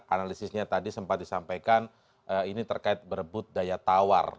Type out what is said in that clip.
analisisnya tadi sempat disampaikan ini terkait berebut daya tawar